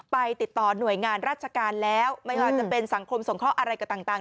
ไปติดต่อหน่วยงานราชการแล้วไม่ว่าจะเป็นสังคมสงเคราะห์อะไรกับต่าง